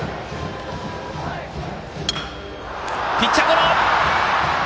ピッチャーゴロ。